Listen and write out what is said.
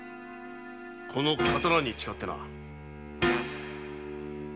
この刀に誓ってな。